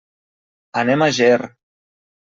Anem a Ger.